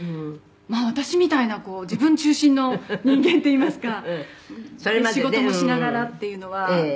「私みたいな自分中心の人間っていいますかで仕事もしながらっていうのはもう相当」